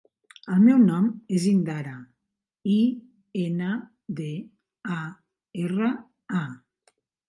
El meu nom és Indara: i, ena, de, a, erra, a.